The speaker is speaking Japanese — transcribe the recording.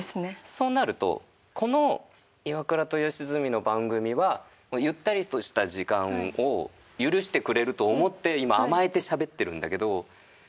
そうなるとこの『イワクラと吉住の番組』はゆったりとした時間を許してくれると思って今甘えてしゃべってるんだけど。